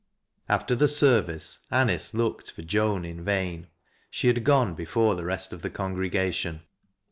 After the service, Anice looked for Joan in vain ; she had gone before the rest of the congregation.